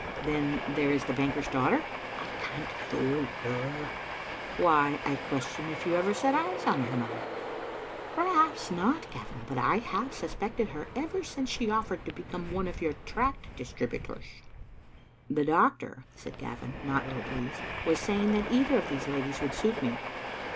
" Then there is the banker's daughter?" "I can't thole her." "Why, I question if you ever set eyes on her, mother." Digitized by VjOOQ IC Aargarct W, " Perhaps not, Gavin ; but I have suspected her ever since she offered to become one of your tract distribu tors." "The doctor," said Gavin, not ill pleased, "was say ing that either of these ladies would suit me."